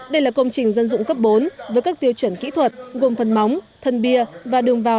đây là công trình dân dụng cấp bốn với các tiêu chuẩn kỹ thuật gồm phần móng thân bia và đường vào